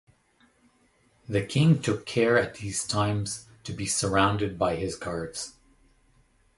The king took care at these times to be surrounded by his guards.